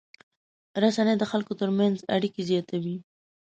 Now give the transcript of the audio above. رسنۍ د خلکو تر منځ اړیکې زیاتوي.